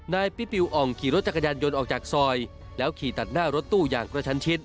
พี่ปิวอ่องขี่รถจักรยานยนต์ออกจากซอยแล้วขี่ตัดหน้ารถตู้อย่างกระชันชิด